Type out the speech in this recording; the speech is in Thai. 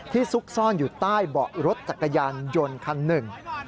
ซุกซ่อนอยู่ใต้เบาะรถจักรยานยนต์คันหนึ่ง